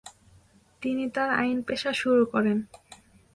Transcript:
তিনি তার আইনপেশা শুরু করেন।